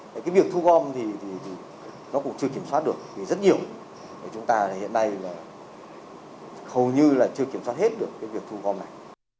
vậy cái việc thu gom thì nó cũng chưa kiểm soát được vì rất nhiều chúng ta hiện nay là hầu như là chưa kiểm soát hết được cái việc thu gom này